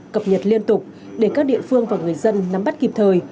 cập nhật liên tục để các địa phương và người dân nắm bắt kịp thời